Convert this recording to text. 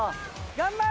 頑張れ！